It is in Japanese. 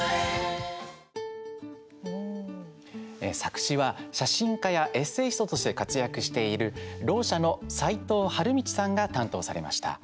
作詞は写真家やエッセイストとして活躍しているろう者の齋藤陽道さんが担当されました。